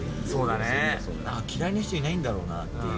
なんか嫌いな人いないんだろうなっていう。